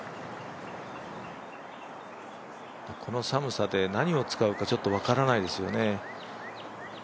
この寒さで何を使うか分からないですよね。